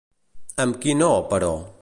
Amb quin no, però?